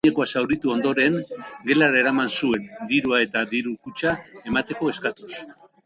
Adinekoa zauritu ondoren, gelara eraman zuen, dirua eta diru-kutxa emateko eskatuz.